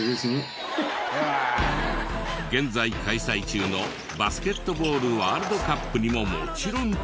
現在開催中のバスケットボールワールドカップにももちろん注目。